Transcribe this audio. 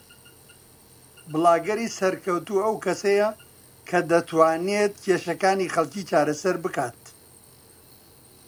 بڵاگەری سەرکەوتوو ئەو کەسەیە کە دەتوانێت کێشەکانی خەڵکی چارەسەر بکات